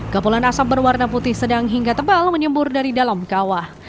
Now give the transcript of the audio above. kepulan asap berwarna putih sedang hingga tebal menyembur dari dalam kawah